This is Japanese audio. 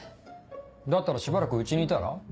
だったらしばらくうちにいたら？